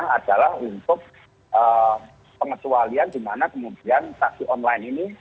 adalah untuk pengecualian di mana kemudian taksi online ini